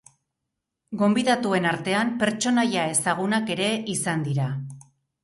Gonbidatuen artean, pertsonaia ezagunak ere izan dira.